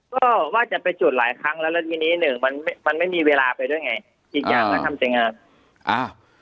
ก็ว่าจะไปจุดหลายครั้งแล้วแล้วทีนี้หนึ่งมันมันไม่มีเวลาไปด้วยไงอีกอย่างว่าทำยังไงอ้าว